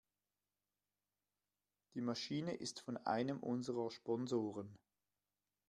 Die Maschine ist von einem unserer Sponsoren.